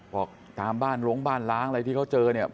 บอกตามบ้านลงบ้านล้างอะไรที่เขาเจอเนี่ย